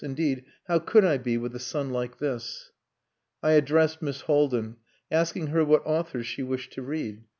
Indeed, how could I be with a son like this." I addressed Miss Haldin, asking her what authors she wished to read.